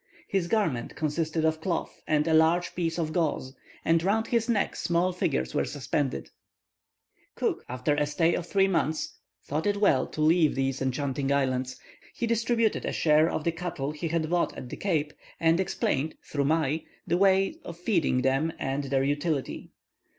His garment consisted of cloth and a large piece of gauze, and round his neck small figures were suspended." [Illustration: Fête in Cook's honour at Tonga.] Cook, after a stay of three months, thought it well to leave these enchanting islands, he distributed a share of the cattle he had bought at the Cape, and explained, through Mai, the way to feed them, and their utility.